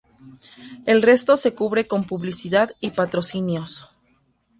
El resto se cubre con publicidad y patrocinios.